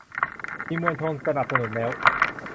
มีมวลชนสนับสนุนแล้ว